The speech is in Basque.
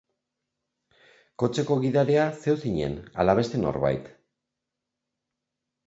Kotxeko gidaria zeu zinen ala beste norbait?